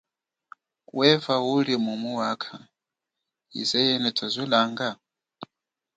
Weva uli mumu wakha, ize yene twazwelanga?